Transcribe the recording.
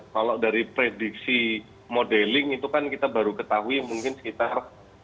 kalau dari prediksi modeling itu kan kita baru ketahui mungkin sekitar